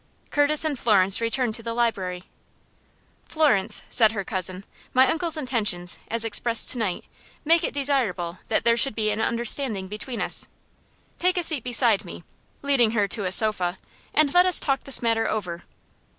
Curtis and Florence returned to the library. "Florence," said her cousin, "my uncle's intentions, as expressed to night, make it desirable that there should be an understanding between us. Take a seat beside me" leading her to a sofa "and let us talk this matter over."